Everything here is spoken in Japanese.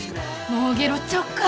もうゲロっちゃおうか。